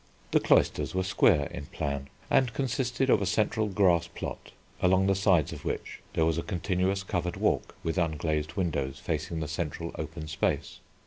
The cloisters were square in plan and consisted of a central grass plot, along the sides of which there was a continuous covered walk with unglazed windows facing the central open space.